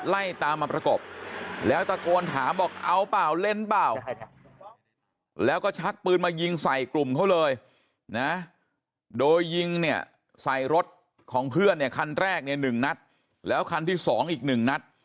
ไล่ตามมาประกบแล้วตะโกนถามบอกเอาเปล่าเล่นเปล่าแล้วก็ชักปืนมายิงใส่กลุ่มเขาเลยนะโดยยิงเนี่ยใส่รถของเพื่อนเนี่ยคันแรกเนี่ย๑นัดแล้วคันที่๒อีก๑นัด